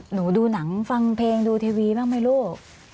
หนูดูหนังฟังเพลงดูทีวีบ้างไหมลูก